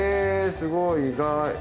すごい意外。